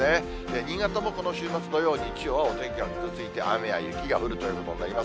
新潟もこの週末、土曜、日曜はお天気はぐずついて、雨や雪が降るということになります。